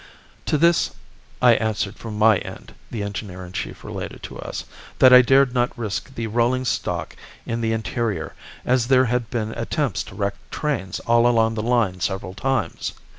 "'To this I answered from my end,' the engineer in chief related to us, 'that I dared not risk the rolling stock in the interior, as there had been attempts to wreck trains all along the line several times.